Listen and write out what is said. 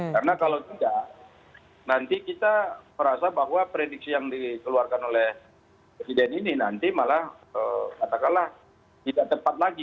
karena kalau tidak nanti kita merasa bahwa prediksi yang dikeluarkan oleh presiden ini nanti malah katakanlah tidak tepat lagi